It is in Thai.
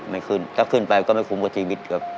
ไม่ขึ้นถ้าขึ้นไปก็ไม่คุ้มกับชีวิตครับ